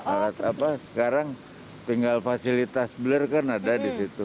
alat apa sekarang tinggal fasilitas bler kan ada di situ